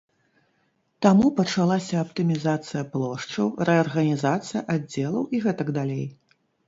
Таму пачалася аптымізацыя плошчаў, рэарганізацыя аддзелаў і гэтак далей.